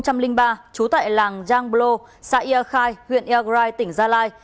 trú tại làng giang blo xã yagrai huyện yagrai tỉnh gia lai